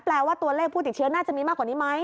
แปลว่าตัวเลขผู้ติดเชื้อน่าจะมีมากกว่านี้ไหม